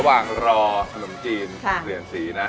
ระหว่างรอขนมจีนเปลี่ยนสีนะ